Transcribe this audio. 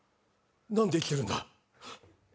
何で生きてるんだ？